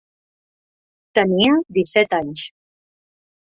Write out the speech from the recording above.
Tenia disset anys.